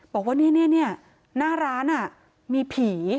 บอกว่านี่หน้าร้านมีผี